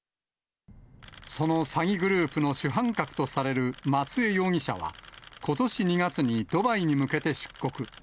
その詐欺グループの主犯格とされる松江容疑者は、ことし２月にドバイに向けて出国。